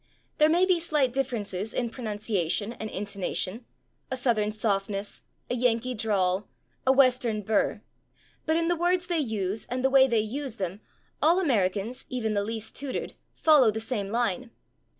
There may be slight differences in pronunciation and intonation a Southern softness, a Yankee drawl, a Western burr but in the words they use and the way they use them all Americans, even the least tutored, follow the same line.